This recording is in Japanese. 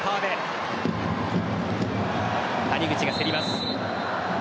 谷口が競ります。